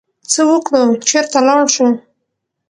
څه وکړو، چرته لاړ شو؟